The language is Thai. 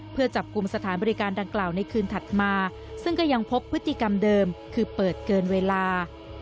เพื่อจับกลุ่มสถานบริการดังกล่าวในคืนถัดมาซึ่งก็ยังพบพฤติกรรมเดิมคือเปิดเกินเวลา